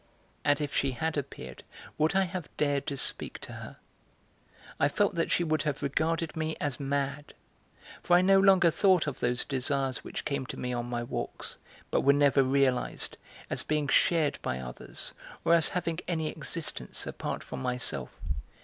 And if she had appeared, would I have dared to speak to her? I felt that she would have regarded me as mad, for I no longer thought of those desires which came to me on my walks, but were never realized, as being shared by others, or as having any existence apart from myself.